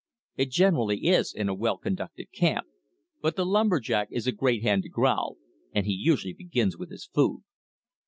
It generally is, in a well conducted camp, but the lumber jack is a great hand to growl, and he usually begins with his food.